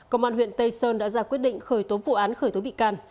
công an huyện tây sơn đã ra quyết định khởi tố vụ án khởi tố bị can